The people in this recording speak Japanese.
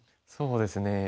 そうですね。